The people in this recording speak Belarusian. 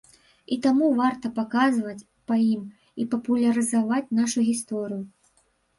І таму варта паказваць па ім і папулярызаваць нашу гісторыю.